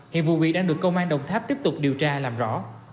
hiện vụ việc đang được công an đồng tháp tiếp tục điều tra làm rõ